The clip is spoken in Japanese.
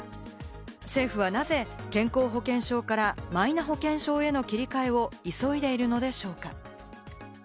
政府はなぜ健康保険証からマイナ保険証への切り替えを急いでいるのでしょうか？